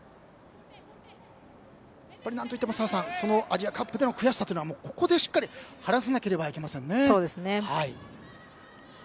何といっても澤さんアジアカップでの悔しさはここでしっかり晴らさないといけませんね。